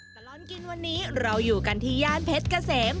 ตลอดกินวันนี้เราอยู่กันที่ย่านเพชรเกษม